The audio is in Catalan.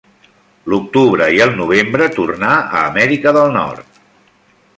L'octubre i el novembre tornà a Amèrica del Nord.